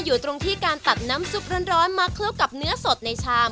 อยู่ตรงที่การตัดน้ำซุปร้อนมาเคลือบกับเนื้อสดในชาม